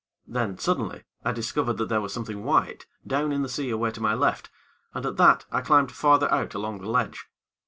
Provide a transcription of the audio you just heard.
Then, suddenly, I discovered that there was something white, down in the sea away to my left, and, at that, I climbed farther out along the ledge.